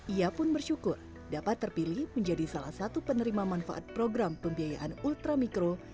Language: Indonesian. ia pun bersyukur dapat terpilih menjadi salah satu penerima manfaat program pembiayaan ultramikro